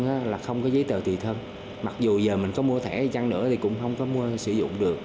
nó là không có giấy tờ tùy thân mặc dù giờ mình có mua thẻ chăng nữa thì cũng không có mua sử dụng được